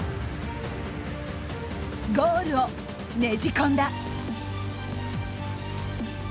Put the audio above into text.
ゴールをねじ込んだ。